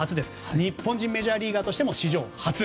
日本人メジャーリーガーとしても史上初。